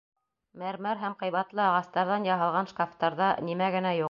Мәрмәр һәм ҡыйбатлы ағастарҙан яһалған шкафтарҙа нимә генә юҡ.